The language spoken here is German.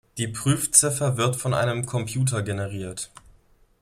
Die Prüfziffer wird von einem Computer generiert.